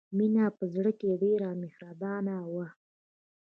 مینه په زړه کې ډېره مهربانه وه